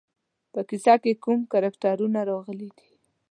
په کیسه کې کوم کرکټرونه راغلي دي.